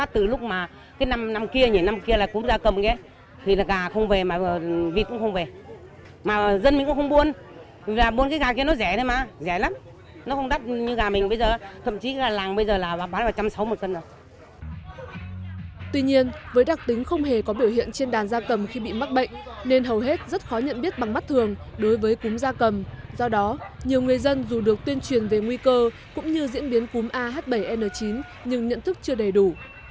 tuy nhiên với đặc tính không hề có biểu hiện trên đàn gia cầm khi bị mắc bệnh nên hầu hết rất khó nhận biết bằng mắt thường đối với cúm gia cầm do đó nhiều người dân dù được tuyên truyền về nguy cơ cũng như diễn biến cúm ah bảy n chín nhưng nhận thức chưa đầy đủ